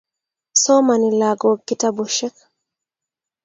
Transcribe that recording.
somani lagok kitabushek